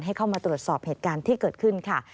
เข้ามาตรวจสอบเหตุการณ์ที่เกิดขึ้นค่ะ